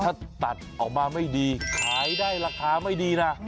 ถ้าตัดออกมาไม่ดีขายได้ราคาไม่ดีนะ